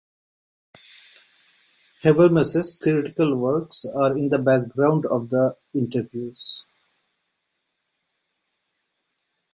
Habermas's theoretical works are in the background of the interviews.